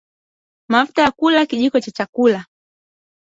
mafuta ya kula kijiko cha chakula